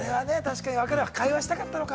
会話したかったのか。